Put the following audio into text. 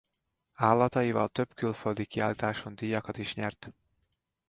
Állataival több külföldi kiállításon díjakat is nyert.